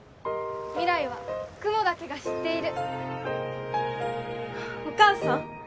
未来は雲だけが知っているお母さん